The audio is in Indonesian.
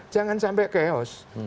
jangan sampai chaos